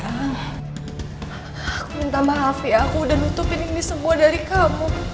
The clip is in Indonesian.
aku minta maaf ya aku udah nutupin ini semua dari kamu